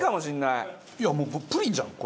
いやもうプリンじゃんこれ。